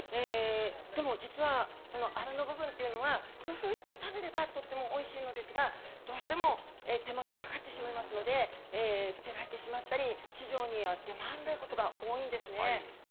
でも実はアラの部分というのは、工夫して食べればとってもおいしいのですが、どうしても手間がかかってしまいますので、捨てられてしまったり、市場には出回らないことが多いんですね。